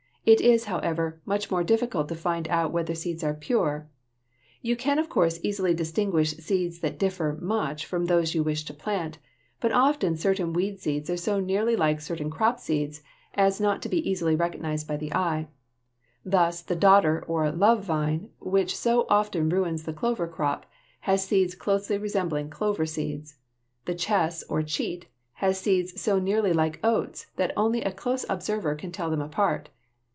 It is, however, much more difficult to find out whether the seeds are pure. You can of course easily distinguish seeds that differ much from those you wish to plant, but often certain weed seeds are so nearly like certain crop seeds as not to be easily recognized by the eye. Thus the dodder or "love vine," which so often ruins the clover crop, has seeds closely resembling clover seeds. The chess, or cheat, has seeds so nearly like oats that only a close observer can tell them apart.